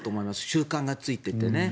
習慣がついていてね。